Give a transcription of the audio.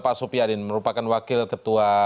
pak supiadin merupakan wakil ketua